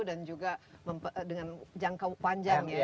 dan juga dengan jangka panjangnya